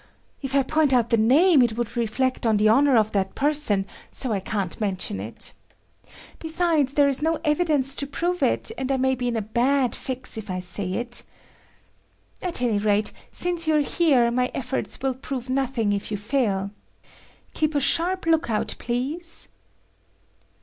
"If I point out the name, it would reflect on the honor of that person, so I can't mention it. Besides there is no evidence to prove it and I may be in a bad fix if I say it. At any rate, since you're here, my efforts will prove nothing if you fail. Keep a sharp look out, please."